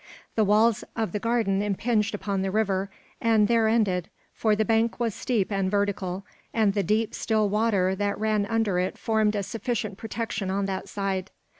The walls of the garden impinged upon the river, and there ended; for the bank was steep and vertical, and the deep, still water that ran under it formed a sufficient protection on that side.